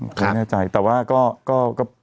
ไม่แน่ใจแต่ว่าก็